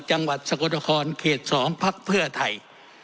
จังหวัดสกรรค์ข๒พไทย